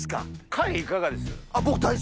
貝いかがです？